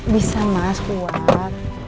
bisa mas keluar